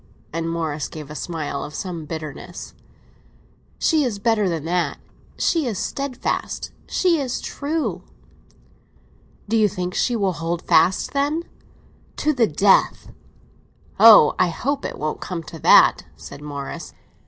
And Morris gave a smile of some bitterness. "She is better than that. She is steadfast—she is true!" "Do you think she will hold fast, then?" "To the death!" "Oh, I hope it won't come to that," said Morris.